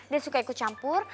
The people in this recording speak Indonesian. dia suka ikut campur